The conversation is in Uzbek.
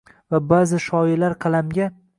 Va ba’zi shoirlar qalamga.